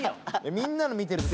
みんなの見てると。